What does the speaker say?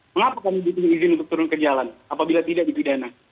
mengapa kami butuh izin untuk turun ke jalan apabila tidak dipidana